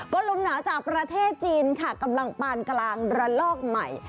ก็ลมหนาวจากประเทศจีนค่ะกำลังปานกลางระลอกใหม่